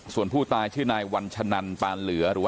ส่วนผู้ตายชื่อนายวัญชะนันท์นะครับ